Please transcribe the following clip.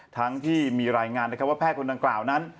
ทั้งที่มีรายงานว่าแพทย์คนนั้นกล่าวนั้น